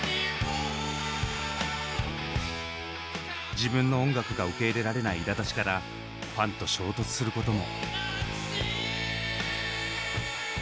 自分の音楽が受け入れられないいらだちからファンと衝突することも。